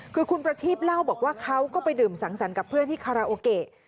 คือคุณประทีพเล่าบอกว่าเขาก็ไปดื่มสังสรรค์กับเพื่อนที่คาราโอเกะ